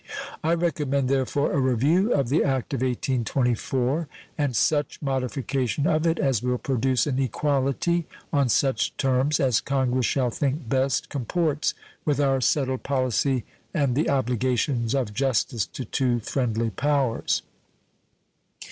I recommend, therefore, a review of the act of 1824, and such modification of it as will produce an equality on such terms as Congress shall think best comports with our settled policy and the obligations of justice to two friendly powers.